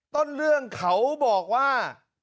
ต้นเรื่องเขาบอกว่า